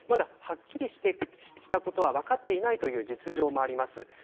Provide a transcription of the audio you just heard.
まだはっきりしたことは分かっていないという実情もあります。